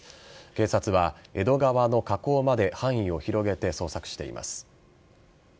警察は江戸川の河口まで範囲を広げて捜索しています。